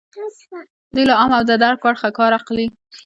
دوی له عام او د درک وړ عقل کار اخلي.